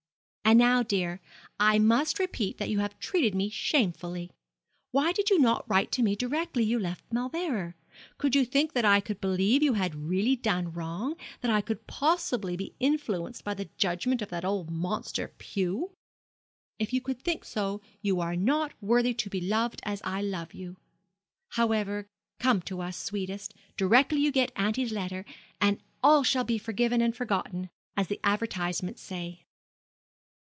'And now, dear, I must repeat that you have treated me shamefully. Why did you not write to me directly you left Mauleverer? Could you think that I could believe you had really done wrong that I could possibly be influenced by the judgment of that old monster, Pew? If you could think so, you are not worthy to be loved as I love you. However, come to us, sweetest, directly you get auntie's letter, and all shall be forgiven and forgotten, as the advertisements say.'